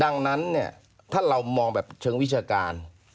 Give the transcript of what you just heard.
ดังนั้นเนี่ยถ้าเรามองแบบเชิงวิชาการ